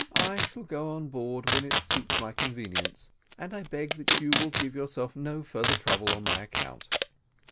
"I shall go on board when it suits my convenience, and I beg that you will give yourself no further trouble on my account."